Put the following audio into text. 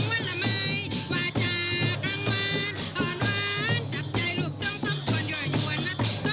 มันต้องเตรียมเตรียมเตรียม